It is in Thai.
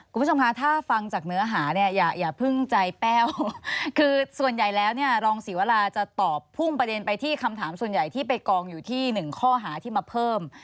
คุณผู้ชมคะถ้าฟังจากเนื้อหาเนี่ยอย่าเพิ่งใจแป้วคือส่วนใหญ่แล้วเนี่ยรองศรีวราจะตอบพุ่งประเด็นไปที่คำถามส่วนใหญ่ที่ไปกองอยู่ที่หนึ่งข้อหาที่มาเพิ่ม